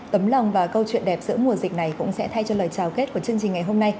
tấm lòng và câu chuyện đẹp giữa mùa dịch này cũng sẽ thay cho lời chào kết của chương trình ngày hôm nay